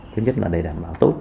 thứ nhất là đề đảm bảo tốt